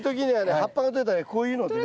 葉っぱがとれたらねこういうのでね